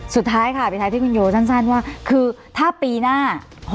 สุดท้ายค่ะปิดท้ายที่คุณโยสั้นว่าคือถ้าปีหน้า